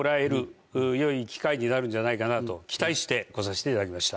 なるんじゃないかなと期待して来させていただきました。